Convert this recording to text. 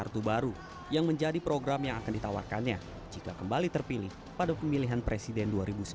kartu baru yang menjadi program yang akan ditawarkannya jika kembali terpilih pada pemilihan presiden dua ribu sembilan belas